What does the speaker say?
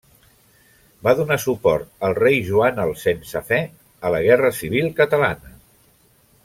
Va donar suport al rei Joan el sense Fe a la guerra civil catalana.